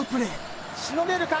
しのげるか？